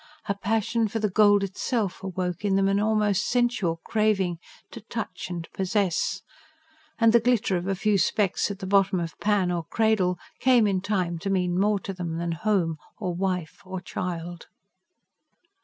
A passion for the gold itself awoke in them an almost sensual craving to touch and possess; and the glitter of a few specks at the bottom of pan or cradle came, in time, to mean more to them than "home," or wife, or child.